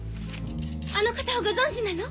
あの方をご存じなの？